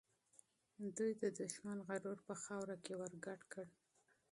دوی د دښمن غرور په خاوره کې ورګډ کړ.